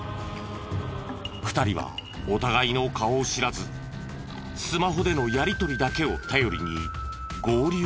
２人はお互いの顔を知らずスマホでのやりとりだけを頼りに合流しているのだろう。